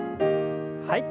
はい。